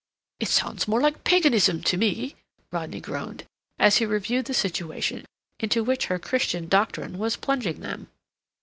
"It sounds more like Paganism to me," Rodney groaned, as he reviewed the situation into which her Christian doctrine was plunging them.